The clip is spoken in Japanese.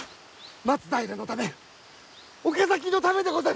松平のため岡崎のためでござる。